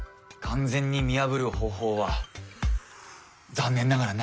完全に見破る方法は残念ながらないんです。